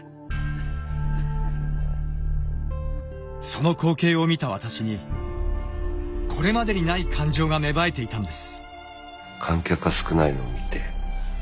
その光景を見た私にこれまでにない感情が芽生えていたんです。